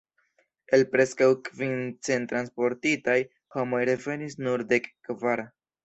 El preskaŭ kvin cent transportitaj homoj revenis nur dek kvar.